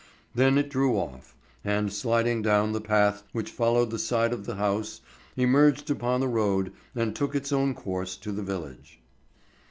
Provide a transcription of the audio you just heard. Then it drew off, and sliding down the path which followed the side of the house, emerged upon the road and took its own course to the village.